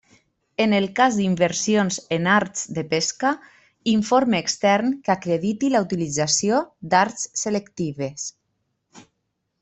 En el cas d'inversions en arts de pesca, informe extern que acrediti la utilització d'arts selectives.